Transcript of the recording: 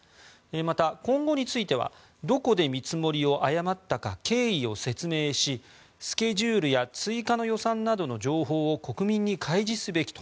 また、今後についてはどこで見積もりを誤ったか経緯を説明し、スケジュールや追加の予算などの情報を国民に開示すべきと。